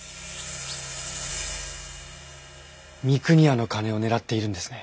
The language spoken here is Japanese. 三国屋の金を狙っているんですね。